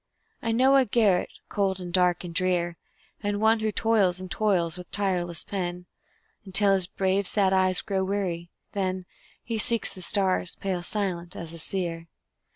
I know a garret, cold and dark and drear, And one who toils and toils with tireless pen, Until his brave, sad eyes grow weary then He seeks the stars, pale, silent as a seer.